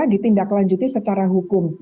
ditindaklanjuti secara hukum